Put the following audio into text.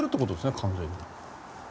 完全に。